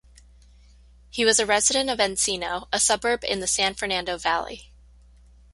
He was a resident of Encino, a suburb in the San Fernando Valley.